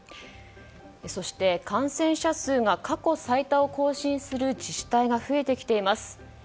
感染者数が過去最多を更新する自治体が増えてきています。